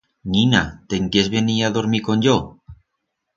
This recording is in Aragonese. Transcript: Nina, te'n quiers venir a dormir con yo?